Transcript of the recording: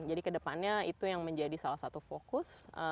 jadi ke depannya itu yang menjadi salah satu fokus